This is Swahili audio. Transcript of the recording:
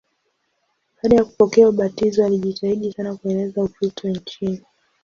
Baada ya kupokea ubatizo alijitahidi sana kueneza Ukristo nchini.